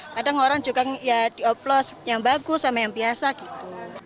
kadang orang juga ya dioplos yang bagus sama yang biasa gitu